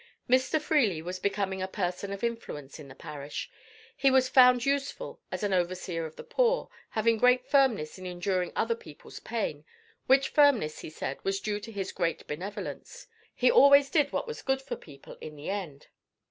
Mr. Freely was becoming a person of influence in the parish; he was found useful as an overseer of the poor, having great firmness in enduring other people's pain, which firmness, he said, was due to his great benevolence; he always did what was good for people in the end.